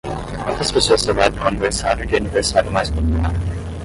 Quantas pessoas celebram o aniversário de aniversário mais popular?